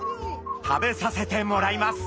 食べさせてもらいます！